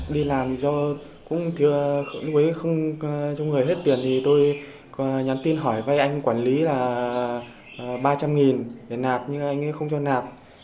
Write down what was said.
đi làm do không có người hết tiền tôi nhắn tin hỏi với anh quản lý là ba trăm linh để nạp nhưng anh ấy không cho nạp